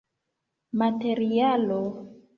materialo